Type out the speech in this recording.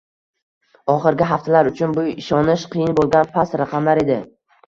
Oxirgi haftalar uchun bu ishonish qiyin bo`lgan past raqamlar edi